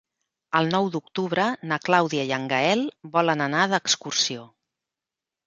El nou d'octubre na Clàudia i en Gaël volen anar d'excursió.